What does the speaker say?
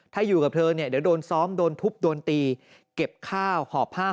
ถ้าอยู่กับเธอเนี่ยเดี๋ยวโดนซ้อมโดนทุบโดนตีเก็บข้าวหอบผ้า